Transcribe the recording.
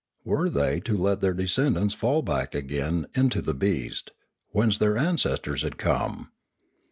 Were they to let their descendants fall back again into the beast, whence their ancestors had come